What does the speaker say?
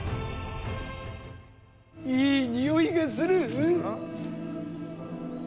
いい匂いがする。